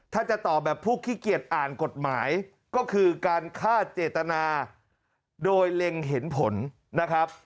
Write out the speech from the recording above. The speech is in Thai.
ถ้าจะตอบแบบผู้ขี้เกียจอ่านกฎหมายก็คือการฆ่าเจตนาโดยเล็งเห็นผลนะครับ